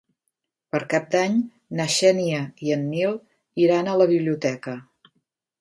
Per Cap d'Any na Xènia i en Nil iran a la biblioteca.